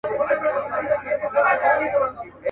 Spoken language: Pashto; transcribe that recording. بس چي هر څومره زړېږم دغه سِر را معلومیږي.